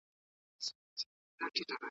که ریشتیا مو تاریخونه د قرنونو درلودلای `